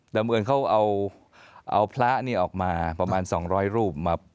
แต่เมื่อเอิ่นเขาเอาพละนี่ออกมาประมาณ๒๐๐รูปมากั้น